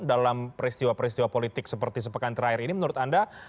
dalam peristiwa peristiwa politik seperti sepekan terakhir ini menurut anda